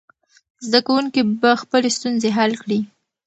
زده کوونکي به خپلې ستونزې حل کړي.